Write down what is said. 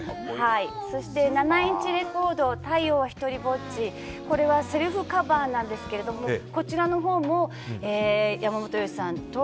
そして７インチレコード「太陽はひとりぼっち」これはセルフカバーなんですけどこちらのほうも山本耀司さんと